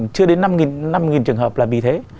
chưa đến năm trường hợp là vì thế